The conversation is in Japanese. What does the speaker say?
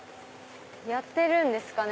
やってるんですかね